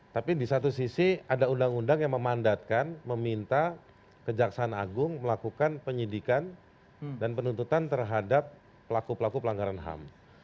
tapi di satu sisi ada undang undang yang memandatkan meminta kejaksaan agung melakukan penyidikan dan penuntutan terhadap pelaku pelaku pelanggaran ham